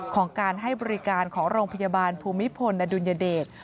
ของการให้บริการของโรงพยาบาลภูมิพลอดุลยเดช